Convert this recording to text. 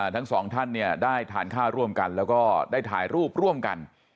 ทั้งสองท่านเนี่ยได้ทานข้าวร่วมกันแล้วก็ได้ถ่ายรูปร่วมกัน